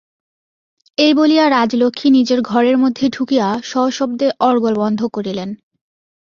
এই বলিয়া রাজলক্ষ্মী নিজের ঘরের মধ্যে ঢুকিয়া সশব্দে অর্গল বন্ধ করিলেন।